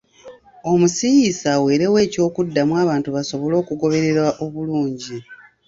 Omusiiyiisi aweerewo ekyokuddamu abantu basobole okugoberera obulungi.